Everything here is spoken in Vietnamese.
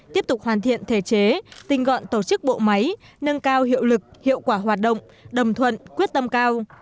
tiếp tục hoàn thiện thể chế tinh gọn tổ chức bộ máy nâng cao hiệu lực hiệu quả hoạt động đồng thuận quyết tâm cao